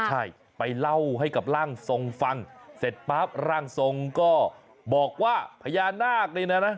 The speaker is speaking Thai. ใช่ไปเล่าให้กับร่างทรงฟังเสร็จปั๊บร่างทรงก็บอกว่าพญานาคนี่นะ